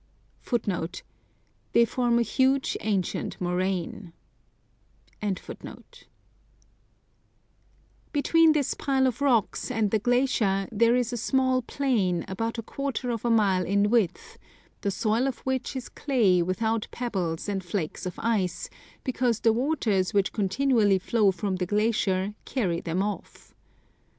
^ Between this pile of rocks and the glacier there is a small plain, about a quarter of a mile in width, the soil of which is clay without pebbles and flakes of ice, because the waters which continually flow from the glacier carry them off*.